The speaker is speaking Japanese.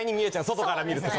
外から見ると。